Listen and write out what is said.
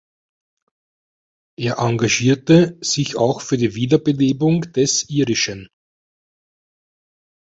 Er engagierte sich auch für die Wiederbelebung des Irischen.